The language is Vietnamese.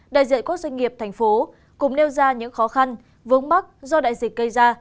đại diện quốc doanh nghiệp thành phố cùng nêu ra những khó khăn vốn bắc do đại dịch gây ra